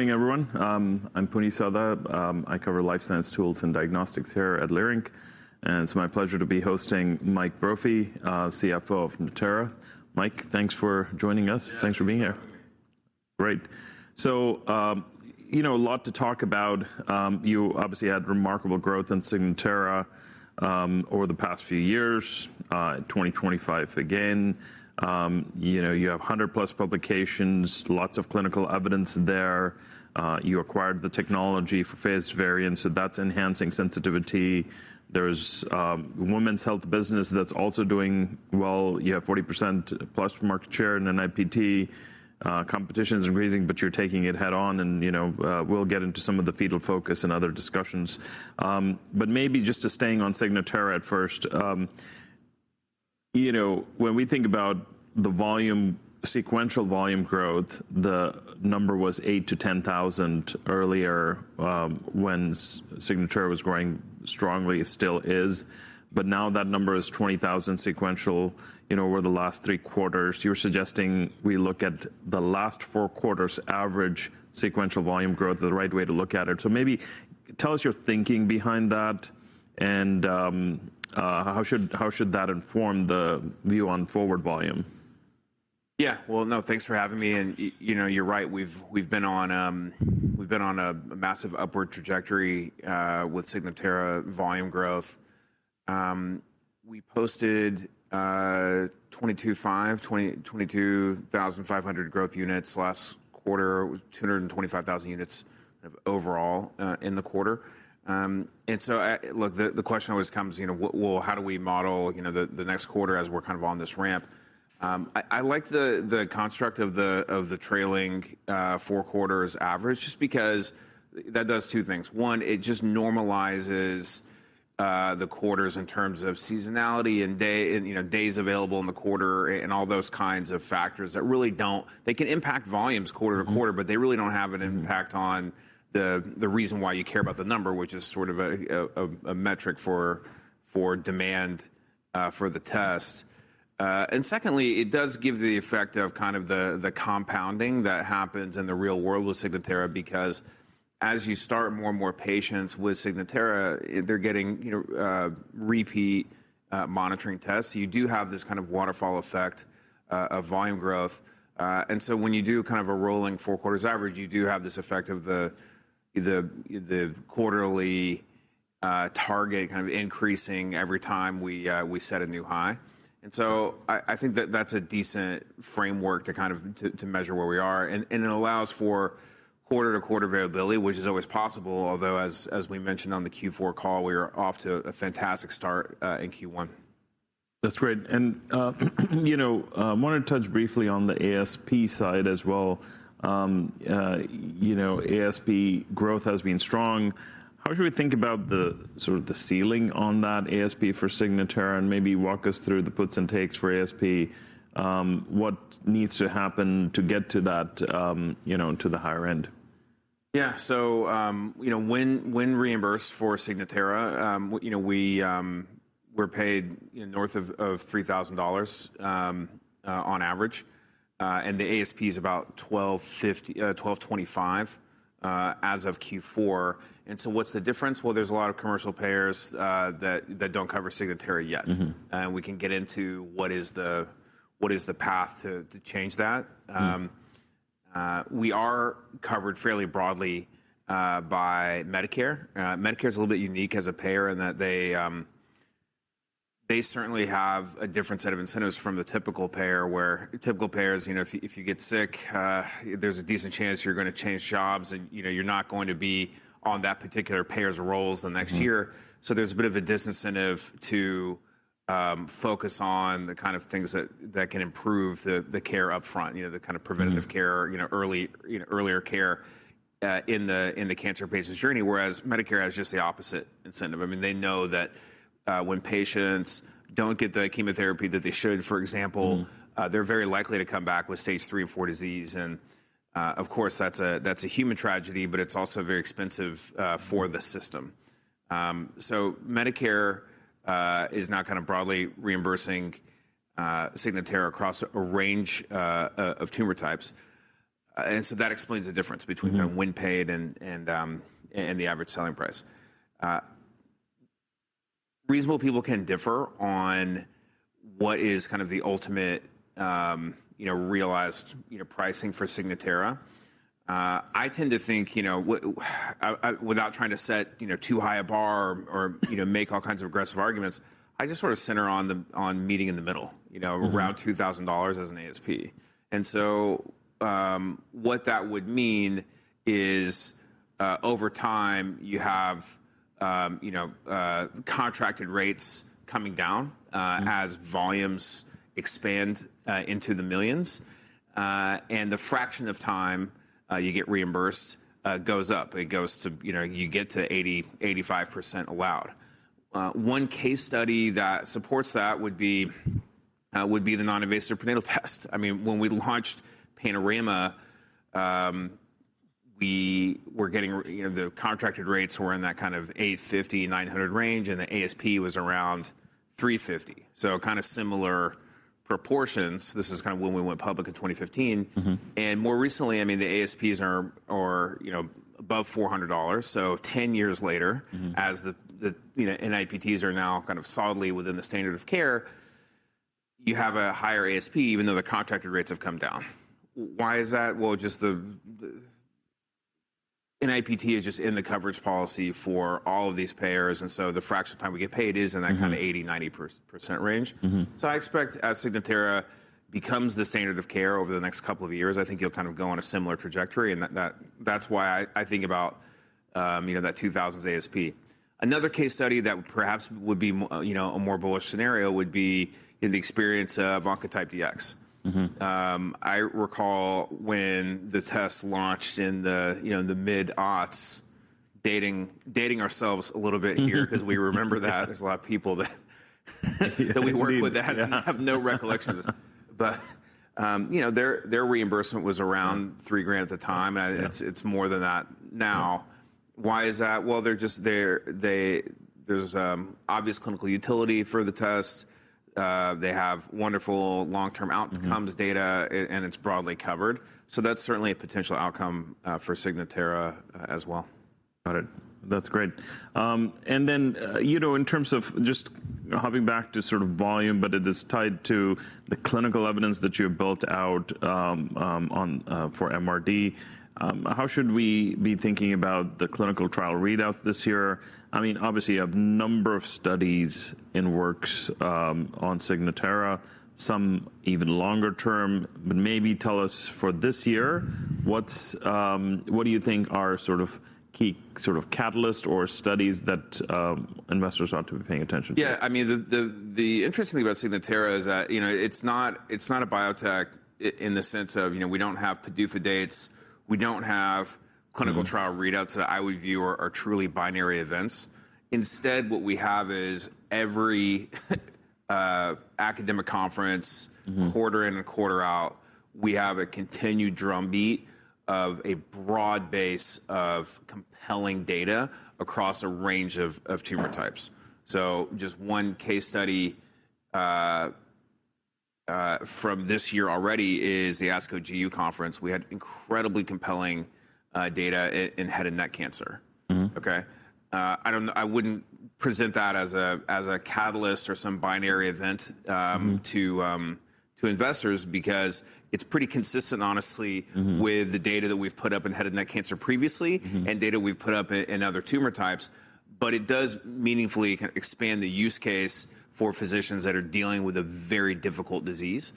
Morning, everyone. I'm Puneet Souda. I cover life science tools and diagnostics here at Leerink, and it's my pleasure to be hosting Mike Brophy, CFO of Natera. Mike, thanks for joining us. Thanks for being here. Great. You know, a lot to talk about. You obviously had remarkable growth in Signatera over the past few years, 2025 again. You know, you have 100+ publications, lots of clinical evidence there. You acquired the technology for phased variants, so that's enhancing sensitivity. There's women's health business that's also doing well. You have 40%+ market share in NIPT. Competition is increasing, but you're taking it head-on, and we'll get into some of the Fetal Focus and other discussions. Maybe just to staying on Signatera at first. You know, when we think about the volume, sequential volume growth, the number was 8,000-10,000 earlier, when Signatera was growing strongly. It still is. Now that number is 20,000 sequential, you know, over the last three quarters. You're suggesting we look at the last four quarters' average sequential volume growth, the right way to look at it. Maybe tell us your thinking behind that, and how should that inform the view on forward volume? Yeah. Well, thanks for having me. You're right. We've been on a massive upward trajectory with Signatera volume growth. We posted 22,500 growth units last quarter, 225,000 units overall in the quarter. Look, the question always comes, you know, well, how do we model the next quarter as we're kind of on this ramp? I like the construct of the trailing four quarters average just because that does two things. One, it just normalizes the quarters in terms of seasonality and days available in the quarter and all those kinds of factors that really don't. They can impact volumes quarter to quarter. They really don't have an impact on the reason why you care about the number, which is sort of a metric for demand for the test. Secondly, it does give the effect of kind of the compounding that happens in the real world with Signatera because as you start more and more patients with Signatera, they're getting you know repeat monitoring tests. You do have this kind of waterfall effect of volume growth. When you do kind of a rolling four quarters average, you do have this effect of the quarterly target kind of increasing every time we set a new high. I think that that's a decent framework to measure where we are. It allows for quarter-to-quarter variability, which is always possible, although as we mentioned on the Q4 call, we are off to a fantastic start in Q1. That's great. Wanted to touch briefly on the ASP side as well. ASP growth has been strong. How should we think about the sort of ceiling on that ASP for Signatera? Maybe walk us through the puts and takes for ASP. What needs to happen to get to that to the higher end? Yeah. You know, when reimbursed for Signatera, you know, we're paid north of $3,000 on average, and the ASP is about $1,225 as of Q4. What's the difference? Well, there's a lot of commercial payers that don't cover Signatera yet. We can get into what is the path to change that. We are covered fairly broadly by Medicare. Medicare is a little bit unique as a payer in that they certainly have a different set of incentives from the typical payer, where typical payers, you know, if you get sick, there's a decent chance you're gonna change jobs and, you know, you're not going to be on that particular payer's rolls the next year. There's a bit of a disincentive to focus on the kind of things that can improve the care up front, you know, the kind of preventative care. You know, early, you know, earlier care in the cancer patient's journey, whereas Medicare has just the opposite incentive. I mean, they know that when patients don't get the chemotherapy that they should, for example. They're very likely to come back with stage III and IV disease. Of course, that's a human tragedy, but it's also very expensive for the system. Medicare is now kind of broadly reimbursing Signatera across a range of tumor types. That explains the difference between- you know, when paid and the average selling price. Reasonable people can differ on what is kind of the ultimate, you know, realized, you know, pricing for Signatera. I tend to think, you know, without trying to set, you know, too high a bar or, you know, make all kinds of aggressive arguments, I just sort of center on meeting in the middle, you know around $2000 as an ASP. What that would mean is, over time, you have, you know, contracted rates coming down as volumes expand into the millions. The fraction of time you get reimbursed goes up. It goes to, you know, you get to 80%-85% allowed. One case study that supports that would be the non-invasive prenatal test. I mean, when we launched Panorama, we were getting you know, the contracted rates were in that kind of $850-$900 range, and the ASP was around $350. Kind of similar proportions, this is kind of when we went public in 2015. More recently, I mean, the ASPs are, you know, above $400. 10 years later as the you know, NIPTs are now kind of solidly within the standard of care, you have a higher ASP even though the contracted rates have come down. Why is that? Well, just the NIPT is just in the coverage policy for all of these payers, and so the fraction of time we get paid is in that kind of 80-90% range. I expect as Signatera becomes the standard of care over the next couple of years, I think you'll kind of go on a similar trajectory and that's why I think about, you know, that $2,000 ASP. Another case study that perhaps would be, you know, a more bullish scenario would be in the experience of Oncotype DX. I recall when the test launched in the, you know, in the mid-aughts, dating ourselves a little bit here 'cause we remember that. There's a lot of people that we work with that Indeed. Yeah. have no recollection of this. You know, their reimbursement was around $3,000 at the time, and it's more than that now. Why is that? Well, there's obvious clinical utility for the test. They have wonderful long-term outcomes data and it's broadly covered. That's certainly a potential outcome for Signatera as well. Got it. That's great. You know, in terms of just hopping back to sort of volume, but it is tied to the clinical evidence that you have built out for MRD, how should we be thinking about the clinical trial readouts this year? I mean, obviously you have a number of studies in the works on Signatera, some even longer term. Maybe tell us for this year, what do you think are sort of key sort of catalyst or studies that investors ought to be paying attention to? Yeah, I mean, the interesting thing about Signatera is that, you know, it's not a biotech in the sense of, you know, we don't have PDUFA dates, we don't have clinical trial readouts that I would view are truly binary events. Instead, what we have is every academic conference. Quarter in and quarter out, we have a continued drumbeat of a broad base of compelling data across a range of tumor types. Just one case study from this year already is the ASCO GU conference. We had incredibly compelling data in head and neck cancer. I wouldn't present that as a catalyst or some binary event to investors because it's pretty consistent honestly with the data that we've put up in head and neck cancer previously. Data we've put up in other tumor types. It does meaningfully kind of expand the use case for physicians that are dealing with a very difficult disease.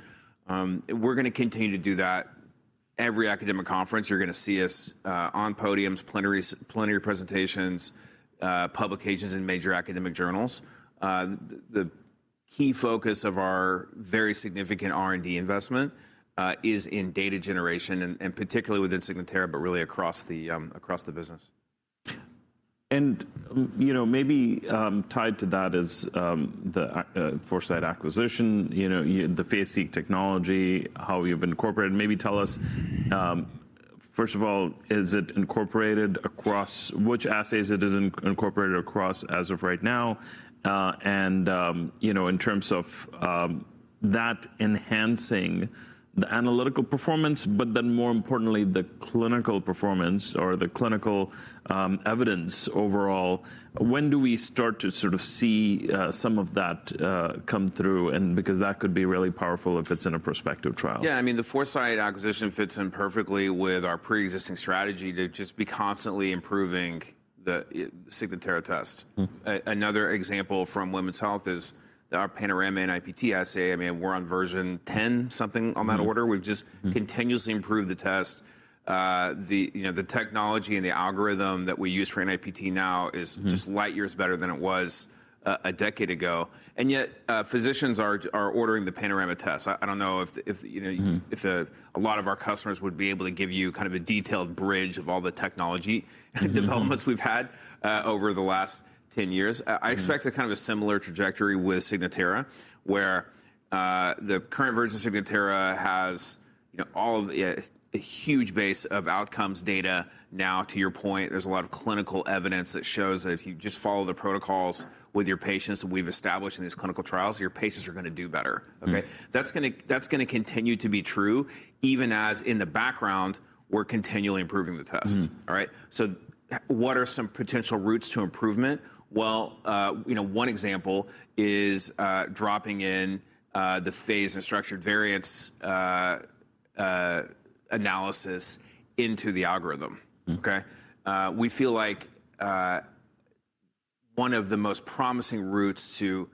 We're gonna continue to do that. Every academic conference, you're gonna see us on podiums, plenaries, plenary presentations, publications in major academic journals. The key focus of our very significant R&D investment is in data generation and particularly within Signatera, but really across the business. You know, maybe tied to that is the Foresight acquisition, you know, the phased variants, how you've incorporated. Maybe tell us, first of all, is it incorporated across which assays it is incorporated across as of right now? You know, in terms of that enhancing the analytical performance, but then more importantly, the clinical performance or the clinical evidence overall, when do we start to sort of see some of that come through, because that could be really powerful if it's in a prospective trial. Yeah. I mean, the Foresight acquisition fits in perfectly with our preexisting strategy to just be constantly improving the Signatera test. Another example from women's health is our Panorama NIPT assay. I mean, we're on version ten-something on that order. We've just continuously improved the test. You know, the technology and the algorithm that we use for NIPT now is. Just light years better than it was a decade ago, and yet, physicians are ordering the Panorama test. I don't know if a lot of our customers would be able to give you kind of a detailed bridge of all the technology developments we've had over the last 10 years. I expect a kind of a similar trajectory with Signatera, where the current version of Signatera has, you know, all of the a huge base of outcomes data. Now, to your point, there's a lot of clinical evidence that shows that if you just follow the protocols with your patients we've established in these clinical trials, your patients are gonna do better, okay? That's gonna continue to be true, even as in the background, we're continually improving the test. All right? What are some potential routes to improvement? Well, you know, one example is, dropping in, the phased and structural variants, analysis into the algorithm, okay? We feel like one of the most promising routes to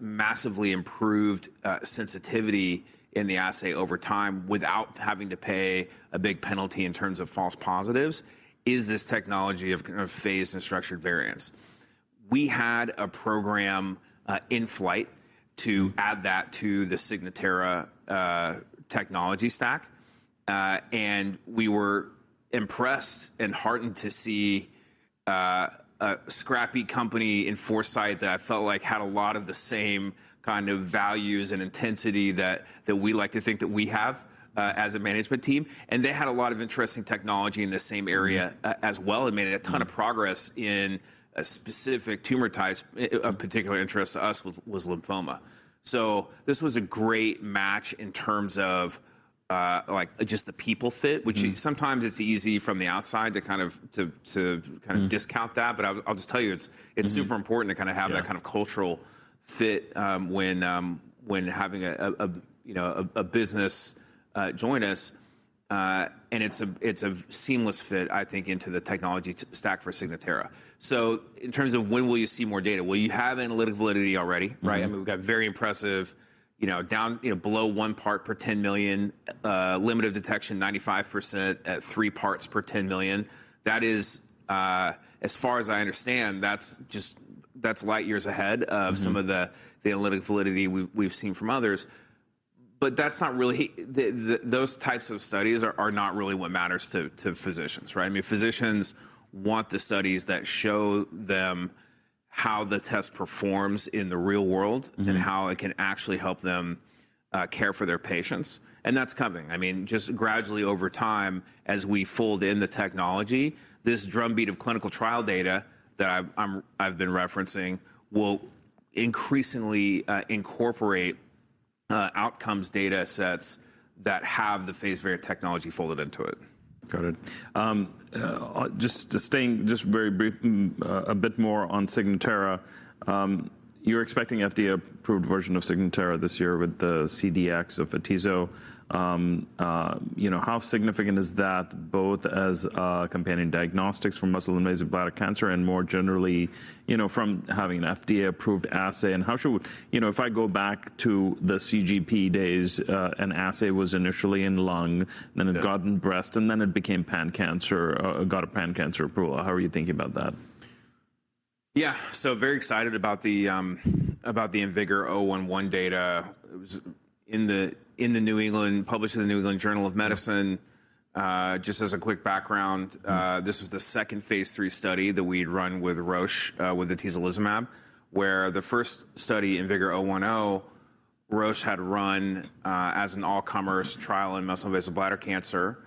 massively improved sensitivity in the assay over time without having to pay a big penalty in terms of false positives is this technology of kind of phased and structural variants. We had a program in flight to add that to the Signatera technology stack. We were impressed and heartened to see a scrappy company in Foresight that I felt like had a lot of the same kind of values and intensity that we like to think that we have as a management team, and they had a lot of interesting technology in the same area as well and made a ton of progress in a specific tumor types of particular interest to us was lymphoma. This was a great match in terms of like just the people fit, which sometimes it's easy from the outside to kind of discount that. I'll just tell you, it's super important to kind of have that kind of cultural fit when having a you know a business join us. It's a seamless fit, I think, into the technology stack for Signatera. In terms of when will you see more data? Well, you have analytic validity already, right? I mean, we've got very impressive, you know, down, you know, below one part per 10 million limit of detection, 95% at three parts per 10 million. That is, as far as I understand, that's just light years ahead of some of the analytic validity we've seen from others. Those types of studies are not really what matters to physicians, right? I mean, physicians want the studies that show them how the test performs in the real world and how it can actually help them care for their patients. That's coming. I mean, just gradually over time, as we fold in the technology, this drumbeat of clinical trial data that I've been referencing will increasingly incorporate outcomes data sets that have the phased variant technology folded into it. Got it. Just to stay very brief, a bit more on Signatera. You're expecting FDA-approved version of Signatera this year with the CDx of atezolizumab. You know, how significant is that both as a companion diagnostic for muscle-invasive bladder cancer and more generally, you know, from having an FDA-approved assay? You know, if I go back to the CGP days, an assay was initially in lung, then it got in breast, and then it became pan-cancer, got a pan-cancer approval. How are you thinking about that? Very excited about the IMvigor011 data. It was published in The New England Journal of Medicine. Just as a quick background, this was the second phase III study that we'd run with Roche with atezolizumab, where the first study IMvigor010, Roche had run, as an all-comers trial in muscle-invasive bladder cancer,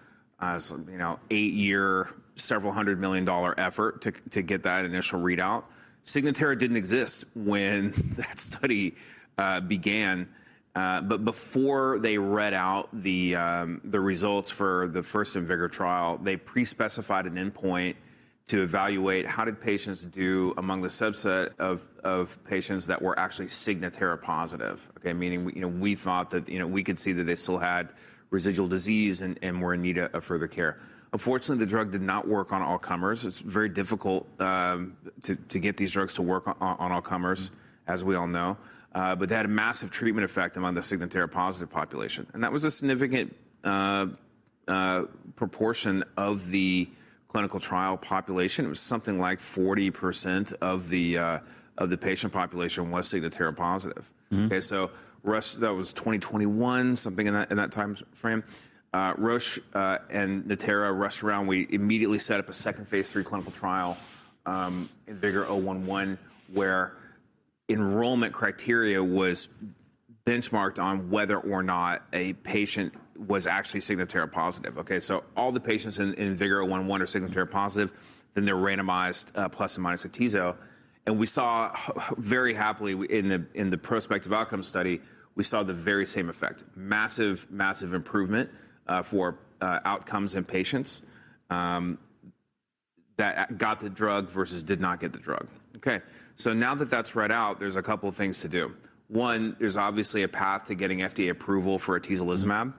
you know, eight-year, several hundred million doallr effort to get that initial readout. Signatera didn't exist when that study began. Before they read out the results for the first IMvigor trial, they pre-specified an endpoint to evaluate how patients did among the subset of patients that were actually Signatera-positive, okay. Meaning, you know, we thought that, you know, we could see that they still had residual disease and were in need of further care. Unfortunately, the drug did not work on all comers. It's very difficult to get these drugs to work on all comers, as we all know. They had a massive treatment effect among the Signatera positive population, and that was a significant proportion of the clinical trial population. It was something like 40% of the patient population was Signatera positive. That was 2021, something in that time frame. Roche and Natera rushed around. We immediately set up a second phase III clinical trial, IMvigor011, where enrollment criteria was benchmarked on whether or not a patient was actually Signatera positive, okay? All the patients in IMvigor011 are Signatera positive, then they're randomized, plus and minus atezolizumab. We saw very happily in the prospective outcome study, we saw the very same effect. Massive improvement for outcomes in patients that got the drug versus did not get the drug. Okay. Now that that's read out, there's a couple things to do. One, there's obviously a path to getting FDA approval for atezolizumab.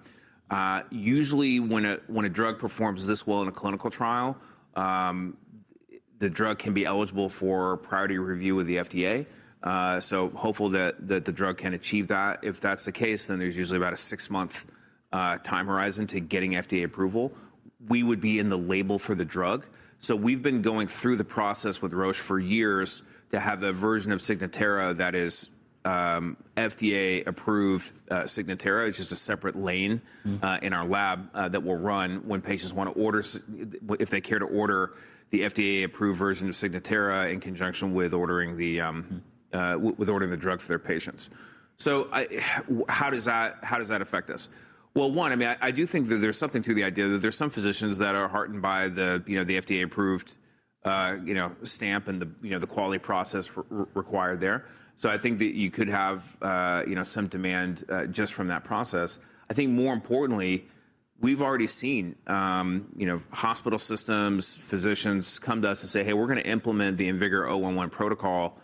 Usually when a drug performs this well in a clinical trial, the drug can be eligible for priority review with the FDA. Hopeful that the drug can achieve that. If that's the case, then there's usually about a six-month time horizon to getting FDA approval. We would be in the label for the drug. We've been going through the process with Roche for years to have a version of Signatera that is FDA-approved Signatera. It's just a separate lane in our lab that we'll run when patients wanna order if they care to order the FDA-approved version of Signatera in conjunction with ordering the drug for their patients. How does that affect us? Well, one, I mean, I do think that there's something to the idea that there's some physicians that are heartened by the, you know, the FDA-approved, you know, stamp and the, you know, the quality process required there. I think that you could have, you know, some demand just from that process. I think more importantly, we've already seen, you know, hospital systems, physicians come to us and say, "Hey, we're gonna implement the IMvigor011 protocol,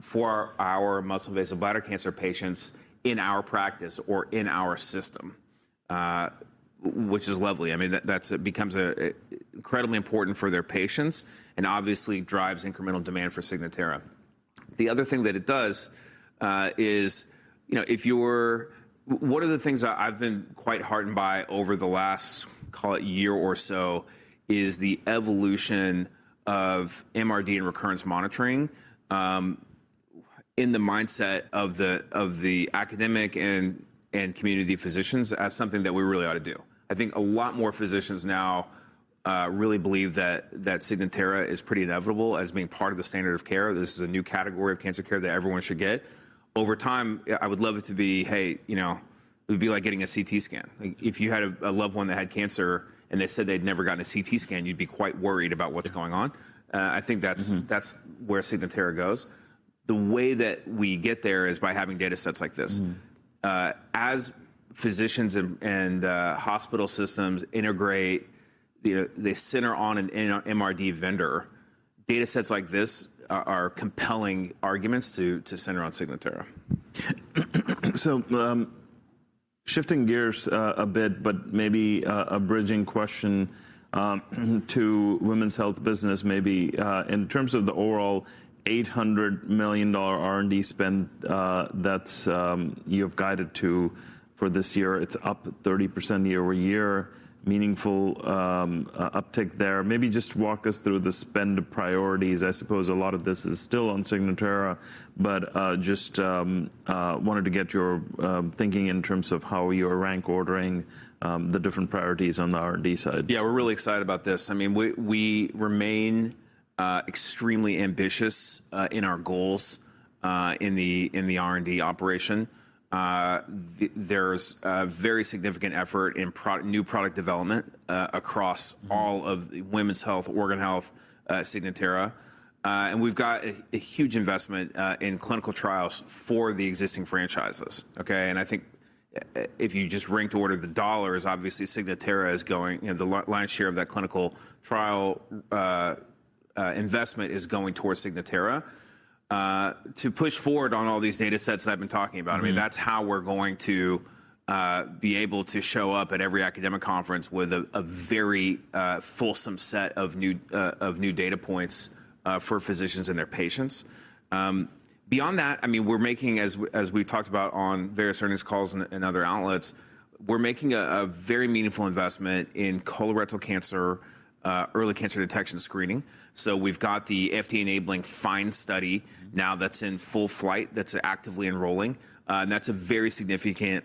for our muscle-invasive bladder cancer patients in our practice or in our system," which is lovely. I mean, that it becomes incredibly important for their patients and obviously drives incremental demand for Signatera. The other thing that it does, is, you know, one of the things I've been quite heartened by over the last, call it year or so, is the evolution of MRD and recurrence monitoring, in the mindset of the academic and community physicians as something that we really ought to do. I think a lot more physicians now, really believe that Signatera is pretty inevitable as being part of the standard of care. This is a new category of cancer care that everyone should get. Over time, I would love it to be, hey, you know, it would be like getting a CT scan. Like, if you had a loved one that had cancer and they said they'd never gotten a CT scan, you'd be quite worried about what's going on. I think that's. That's where Signatera goes. The way that we get there is by having data sets like this. As physicians and hospital systems integrate, they center on an MRD vendor, data sets like this are compelling arguments to center on Signatera. Shifting gears a bit, but maybe a bridging question to women's health business maybe. In terms of the overall $800 million R&D spend, that's you've guided to for this year, it's up 30% year-over-year, meaningful uptick there. Maybe just walk us through the spend priorities. I suppose a lot of this is still on Signatera, but just wanted to get your thinking in terms of how you're rank ordering the different priorities on the R&D side. Yeah. We're really excited about this. I mean, we remain extremely ambitious in our goals in the R&D operation. There's a very significant effort in new product development across all of women's health, organ health, Signatera. We've got a huge investment in clinical trials for the existing franchises, okay? I think if you just rank to order the dollars, obviously Signatera is going. You know, the lion's share of that clinical trial investment is going towards Signatera to push forward on all these data sets that I've been talking about. I mean, that's how we're going to be able to show up at every academic conference with a very fulsome set of new data points for physicians and their patients. Beyond that, I mean, we're making, as we talked about on various earnings calls and other outlets, a very meaningful investment in colorectal cancer early cancer detection screening. We've got the FDA-enabling FIND study now that's in full flight, that's actively enrolling. And that's a very significant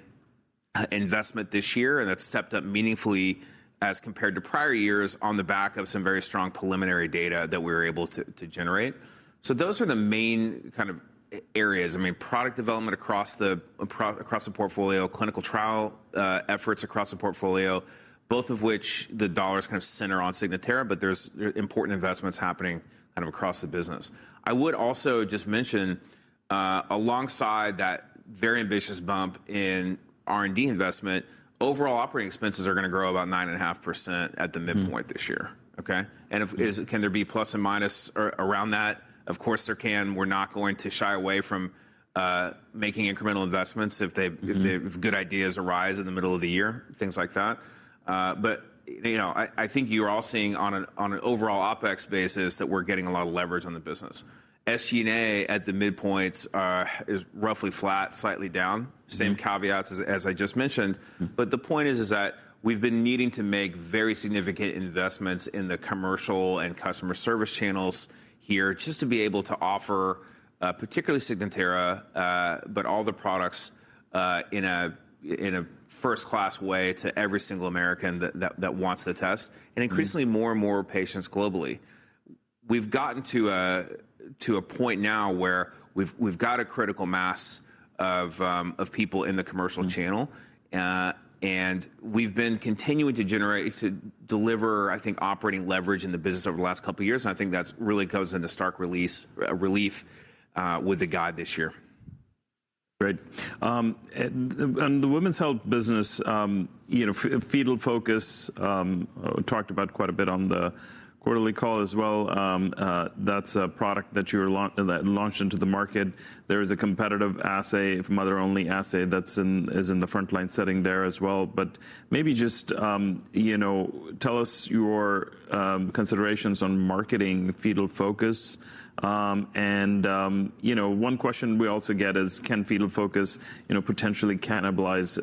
investment this year, and that's stepped up meaningfully as compared to prior years on the back of some very strong preliminary data that we're able to generate. Those are the main kind of areas. I mean, product development across the portfolio, clinical trial efforts across the portfolio, both of which the dollars kind of center on Signatera, but there's important investments happening kind of across the business. I would also just mention, alongside that very ambitious bump in R&D investment, overall operating expenses are going to grow about 9.5% at the midpoint this year. Okay? Can there be plus and minus around that? Of course, there can. We're not going to shy away from making incremental investments if they- If good ideas arise in the middle of the year, things like that. You know, I think you're all seeing on an overall OpEx basis that we're getting a lot of leverage on the business. SG&A at the midpoints is roughly flat, slightly down. Same caveats as I just mentioned. The point is that we've been needing to make very significant investments in the commercial and customer service channels here just to be able to offer, particularly Signatera, but all the products, in a first-class way to every single American that wants the test, increasingly more and more patients globally. We've gotten to a point now where we've got a critical mass of people in the commercial channel. We've been continuing to generate, to deliver, I think, operating leverage in the business over the last couple of years, and I think that's really comes into stark relief with the guide this year. Great. The women's health business, you know, Fetal Focus, talked about quite a bit on the quarterly call as well. That's a product that launched into the market. There is a competitive assay, a mother-only assay that's in the frontline setting there as well. Maybe just, you know, tell us your considerations on marketing Fetal Focus. One question we also get is, can Fetal Focus, you know, potentially cannibalize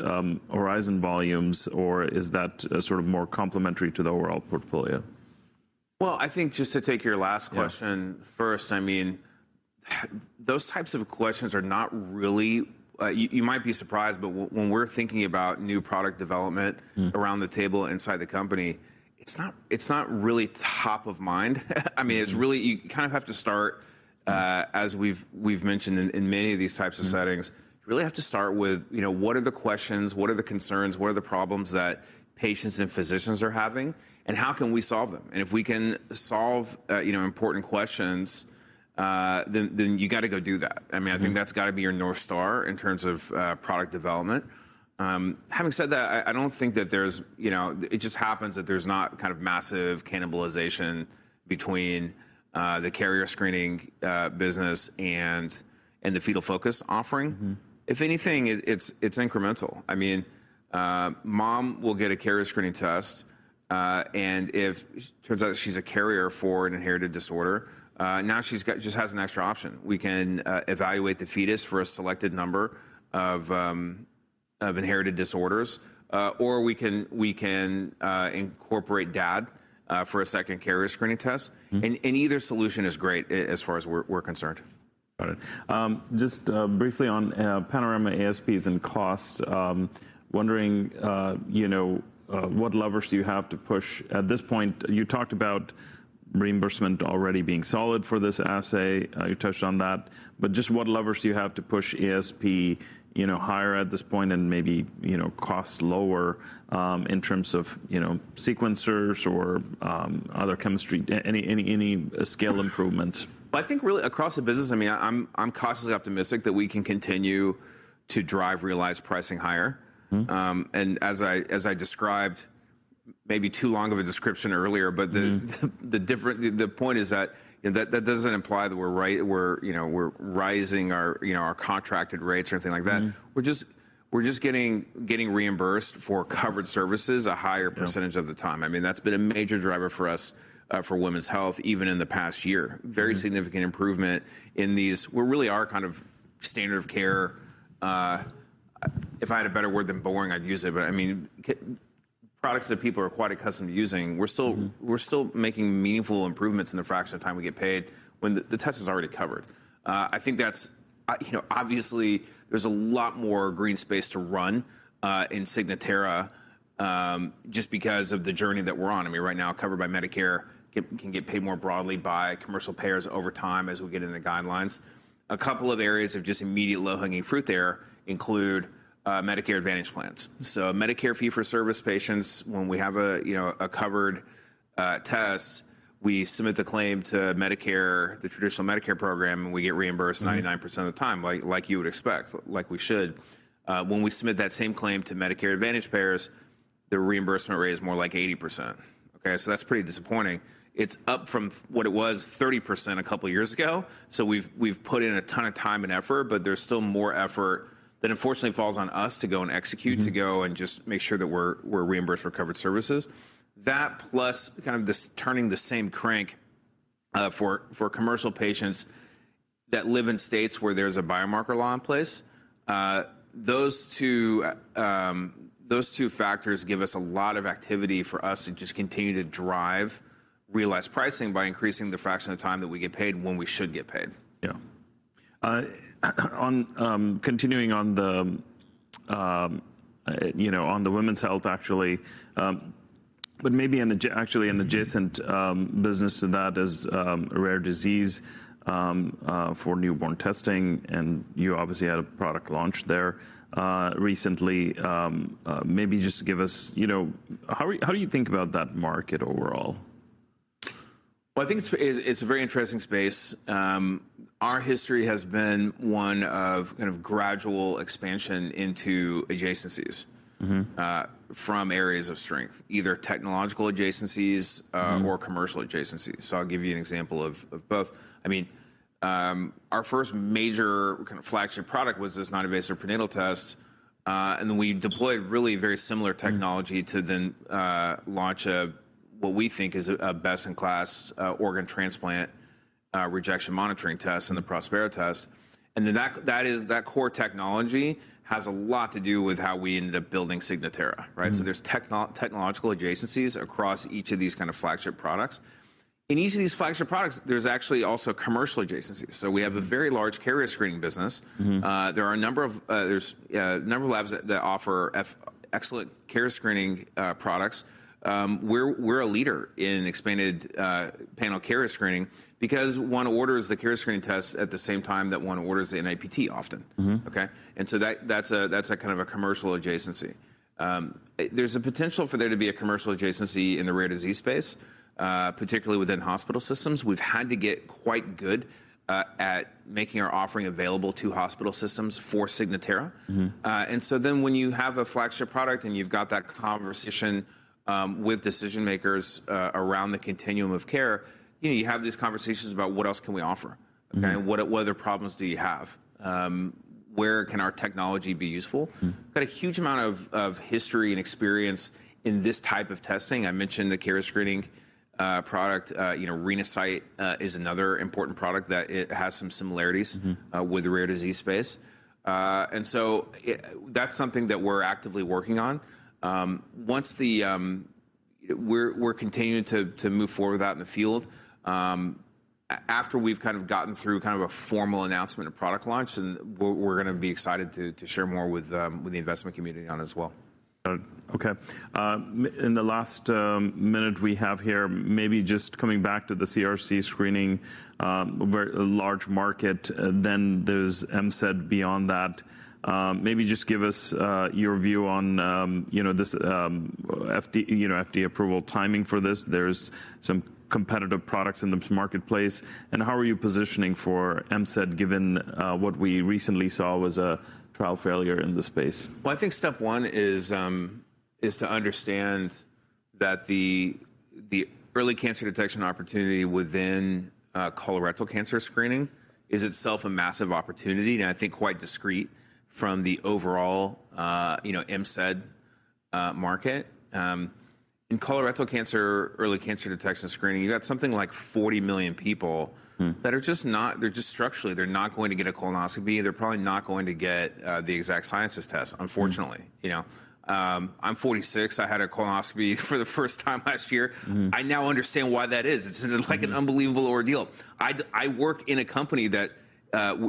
Horizon volumes, or is that sort of more complementary to the overall portfolio? Well, I think just to take your last question. First, I mean, those types of questions are not really. You might be surprised, but when we're thinking about new product development around the table inside the company, it's not really top of mind. I mean, it's really, you kind of have to start, as we've mentioned in many of these types of settings. You really have to start with, you know, what are the questions, what are the concerns, what are the problems that patients and physicians are having, and how can we solve them? If we can solve, you know, important questions, then you got to go do that. I think that's got to be your North Star in terms of product development. Having said that, I don't think that there's, you know, it just happens that there's not kind of massive cannibalization between the carrier screening business and the Fetal Focus offering. If anything, it's incremental. I mean, mom will get a carrier screening test, and if turns out she's a carrier for an inherited disorder, she just has an extra option. We can evaluate the fetus for a selected number of inherited disorders, or we can incorporate dad for a second carrier screening test. Either solution is great as far as we're concerned. Got it. Just briefly on Panorama ASPs and costs, wondering, you know, what levers do you have to push at this point? You talked about reimbursement already being solid for this assay. You touched on that. But just what levers do you have to push ASP, you know, higher at this point, and maybe, you know, costs lower in terms of, you know, sequencers or other chemistry? Any scale improvements? Well, I think really across the business, I mean, I'm cautiously optimistic that we can continue to drive realized pricing higher. As I described maybe too long of a description earlier. The point is that, that doesn't imply that we're, you know, we're raising our, you know, our contracted rates or anything like that. We're just getting reimbursed for covered services a higher percentage of the time. I mean, that's been a major driver for us, for women's health, even in the past year. Very significant improvement in these. We're really a kind of standard of care. If I had a better word than boring, I'd use it. But I mean, products that people are quite accustomed to using, we're still. We're still making meaningful improvements in the fraction of time we get paid when the test is already covered. I think that's, you know, obviously, there's a lot more green space to run in Signatera, just because of the journey that we're on. I mean, right now covered by Medicare. Can get paid more broadly by commercial payers over time as we get into guidelines. A couple of areas of just immediate low-hanging fruit there include Medicare Advantage plans. Medicare fee-for-service patients, when we have a, you know, a covered test, we submit the claim to Medicare, the traditional Medicare program, and we get reimbursed 99% of the time, like you would expect, like we should. When we submit that same claim to Medicare Advantage payers, the reimbursement rate is more like 80%. Okay. That's pretty disappointing. It's up from what it was, 30% a couple of years ago. We've put in a ton of time and effort, but there's still more effort that unfortunately falls on us to go and execute. To go and just make sure that we're reimbursed for covered services. That plus kind of this turning the same crank for commercial patients that live in states where there's a biomarker law in place, those two factors give us a lot of activity for us to just continue to drive realized pricing by increasing the fraction of time that we get paid when we should get paid. Yeah. On continuing on the women's health actually, but maybe in actually an adjacent business to that is rare disease for newborn testing, and you obviously had a product launch there recently. Maybe just give us, how do you think about that market overall? Well, I think it's a very interesting space. Our history has been one of kind of gradual expansion into adjacencies from areas of strength, either technological adjacencies or commercial adjacencies. I'll give you an example of both. I mean, our first major kind of flagship product was this non-invasive prenatal test. Then we deployed really very similar technology to then launch a what we think is a best-in-class organ transplant rejection monitoring test in the Prospera test. That core technology has a lot to do with how we ended up building Signater. There's technological adjacencies across each of these kind of flagship products. In each of these flagship products, there's actually also commercial adjacencies. We have a very large carrier screening business. There are a number of labs that offer excellent carrier screening products. We're a leader in expanded panel carrier screening because one orders the carrier screening test at the same time that one orders the NIPT often. Okay? That's a kind of a commercial adjacency. There's a potential for there to be a commercial adjacency in the rare disease space, particularly within hospital systems. We've had to get quite good at making our offering available to hospital systems for Signatera. When you have a flagship product and you've got that conversation with decision makers around the continuum of care, you know, you have these conversations about what else can we offer. Okay? What other problems do you have? Where can our technology be useful? Got a huge amount of history and experience in this type of testing. I mentioned the carrier screening product. You know, Renasight is another important product that it has some similarities with the rare disease space. That's something that we're actively working on. We're continuing to move forward with that in the field. After we've kind of gotten through kind of a formal announcement of product launch, we're gonna be excited to share more with the investment community as well. Okay. In the last minute we have here, maybe just coming back to the CRC screening, a large market, then there's MCED beyond that. Maybe just give us your view on, you know, this FDA approval timing for this. There's some competitive products in the marketplace. How are you positioning for MCED given what we recently saw was a trial failure in the space? Well, I think step one is to understand that the early cancer detection opportunity within colorectal cancer screening is itself a massive opportunity, and I think quite discrete from the overall, you know, MCED market. In colorectal cancer, early cancer detection screening, you got something like 40 million people that hey're just structurally, they're not going to get a colonoscopy. They're probably not going to get the Exact Sciences test, unfortunately. You know? I'm 46. I had a colonoscopy for the first time last year. I now understand why that is. It's an, it's like an unbelievable ordeal. I work in a company that,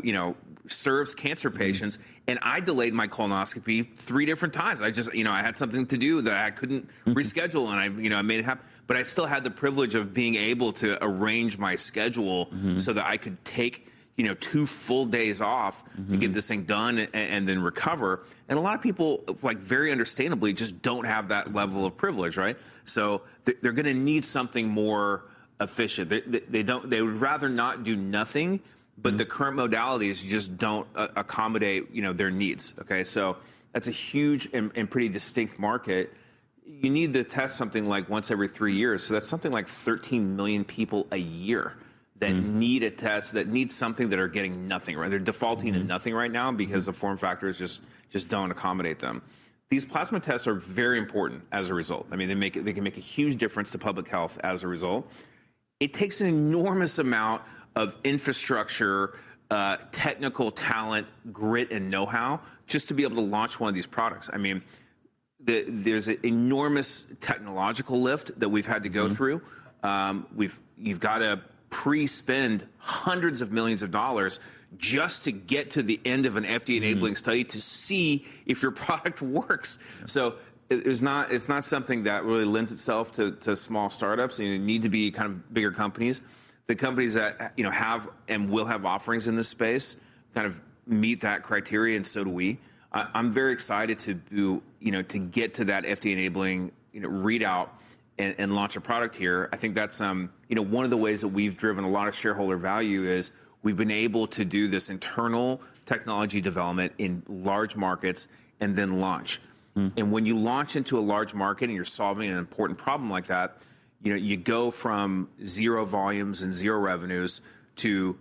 you know, serves cancer patients, and I delayed my colonoscopy three different times. I just, you know, I had something to do that I couldn't reschedule and I, you know, I made it but I still had the privilege of being able to arrange my schedule, so that I could take, you know, two full days off to get this thing done and then recover. A lot of people, like very understandably, just don't have that level of privilege, right? They're gonna need something more efficient. They would rather not do nothing. The current modalities just don't accommodate, you know, their needs, okay? That's a huge and pretty distinct market. You need to test something like once every three years, so that's something like 13 million people a year that need a test, that need something, that are getting nothing, right? They're defaulting to nothing right now because the form factors just don't accommodate them. These plasma tests are very important as a result. I mean, they can make a huge difference to public health as a result. It takes an enormous amount of infrastructure, technical talent, grit, and know-how just to be able to launch one of these products. I mean, there's an enormous technological lift that we've had to go through. You've gotta pre-spend hundreds of millions of dollars just to get to the end of an FDA-enabling study to see if your product works. It's not something that really lends itself to small startups. You need to be kind of bigger companies. The companies that, you know, have and will have offerings in this space kind of meet that criteria, and so do we. I'm very excited to do, you know, to get to that FDA-enabling, you know, readout and launch a product here. I think that's, you know, one of the ways that we've driven a lot of shareholder value is we've been able to do this internal technology development in large markets and then launch. When you launch into a large market and you're solving an important problem like that, you know, you go from zero volumes and zero revenues to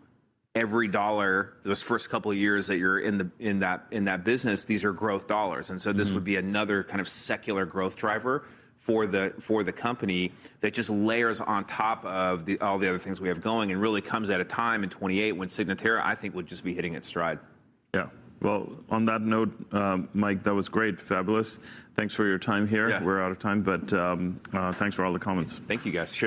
every dollar those first couple years that you're in that business, these are growth dollars. This would be another kind of secular growth driver for the company that just layers on top of all the other things we have going and really comes at a time in 2028 when Signatera, I think, will just be hitting its stride. Yeah. Well, on that note, Mike, that was great. Fabulous. Thanks for your time here. We're out of time, but thanks for all the comments. Thank you, guys. Cheers.